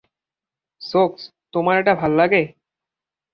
সোকস, তোমার এটা ভাল্লাগে?